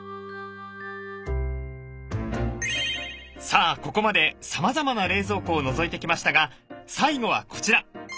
さあここまでさまざまな冷蔵庫をのぞいてきましたが最後はこちら。